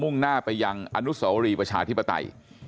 ่งหน้าไปยังอนุสวรีประชาธิปไตย